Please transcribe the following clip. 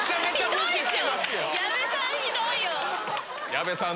矢部さん